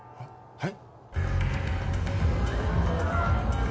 はい？